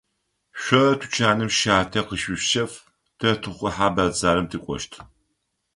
Шъо тучаным щатэ къыщышъущэф, тэ тхъухьэ бэдзэрым тыкӏощт.